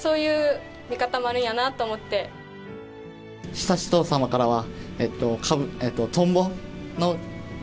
悠仁さまからは。